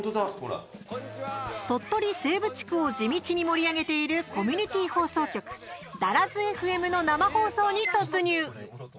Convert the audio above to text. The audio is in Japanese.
鳥取西部地区を地道に盛り上げているコミュニティー放送局ＤＡＲＡＺＦＭの生放送に突入。